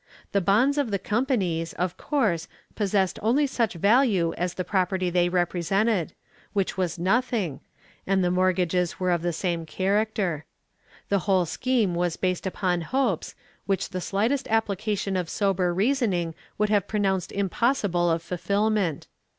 The bonds of the companies, of course, possessed only such value as the property they represented, which was nothing, and the mortgages were of the same character. The whole scheme was based upon hopes, which the slightest application of sober reasoning would have pronounced impossible of fulfillment.